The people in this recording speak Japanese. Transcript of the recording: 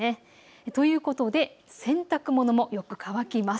ということで洗濯物もよく乾きます。